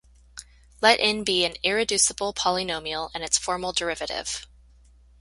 Let in be an irreducible polynomial and its formal derivative.